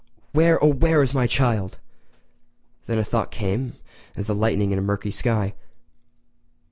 Where, oh, where is my child?" Then a thought came as the lightning in a murky sky.